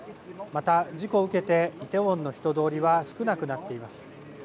また、事故を受けてイテウォンの人通りは少なくなっています。